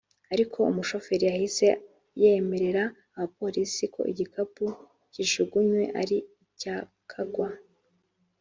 ariko umushoferi yahise yemerera abapolisi ko igikapu kijugunywe ari icya Kaggwa